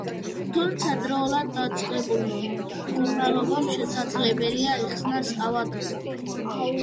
თუმცა დროულად დაწყებულმა მკურნალობამ შესაძლებელია იხსნას ავადმყოფი.